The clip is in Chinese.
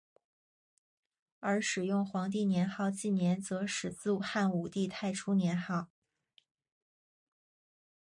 而使用皇帝年号纪年则始自汉武帝太初年号。